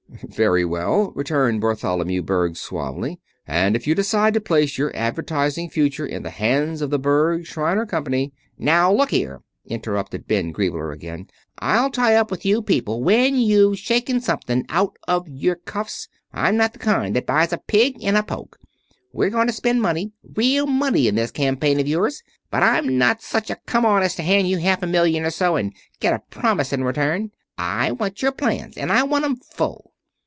"Very well," returned Bartholomew Berg suavely. "And if you decide to place your advertising future in the hands of the Berg, Shriner Company " "Now look here," interrupted Ben Griebler again. "I'll tie up with you people when you've shaken something out of your cuffs. I'm not the kind that buys a pig in a poke. We're going to spend money real money in this campaign of ours. But I'm not such a come on as to hand you half a million or so and get a promise in return. I want your plans, and I want 'em in full."